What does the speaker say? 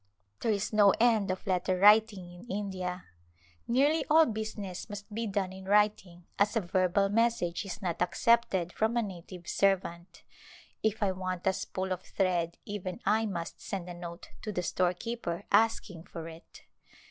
There is no end of letter writing in India. Nearly all business must be done in writing as a verbal message is not accepted from a native servant. If I want a spool of thread even I must send a note to the storekeeper asking for it.